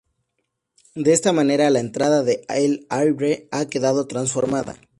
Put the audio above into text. De esta manera la entrada a El Havre ha quedado transformada.